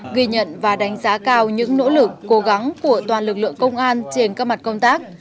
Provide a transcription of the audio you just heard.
ghi nhận và đánh giá cao những nỗ lực cố gắng của toàn lực lượng công an trên các mặt công tác